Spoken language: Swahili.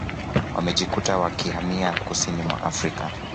wamejikuta wakihamia kusini mwa Afrika